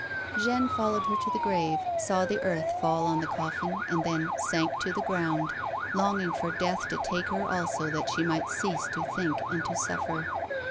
Jeanne followed her to the grave, saw the earth fall on the coffin, and then sank to the ground, longing for death to take her also that she might cease to think and to suflfer.